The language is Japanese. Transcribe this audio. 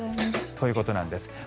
ということなんです。